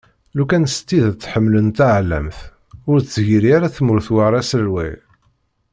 Lukan s tidet ḥemmlen taɛellamt, ur d-tgerri ara tmurt war aselway.